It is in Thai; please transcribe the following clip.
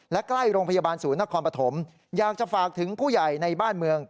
และใกล้โรงพยาบาลศูนย์นครปฐมอยากจะฝากถึงผู้ใหญ่ในบ้านเมือง